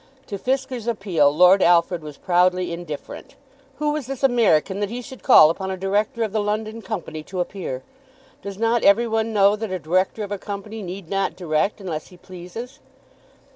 To Fisker's appeal Lord Alfred was proudly indifferent. Who was this American that he should call upon a director of the London Company to appear? Does not every one know that a director of a company need not direct unless he pleases?